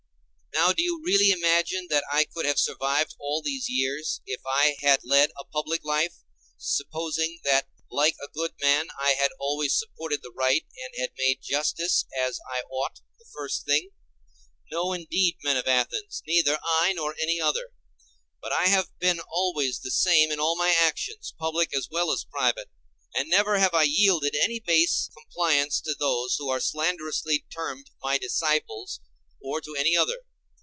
Now do you really imagine that I could have survived all these years, if I had led a public life, supposing that like a good man I had always supported the right and had made justice, as I ought, the first thing? No, indeed, men of Athens, neither I nor any other. But I have been always the same in all my actions, public as well as private, and never have I yielded any base compliance to those who are slanderously termed my disciples or to any other.